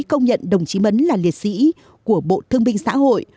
công nhận đồng chí mấn là liệt sĩ